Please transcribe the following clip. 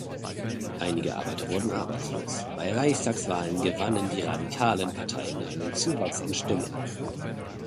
Einige Arbeiter wurden arbeitslos, bei Reichstagswahlen gewannen die radikalen Parteien einen Zuwachs an Stimmen.